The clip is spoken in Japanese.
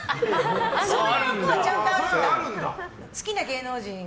そういう欲はちゃんとあるんだ。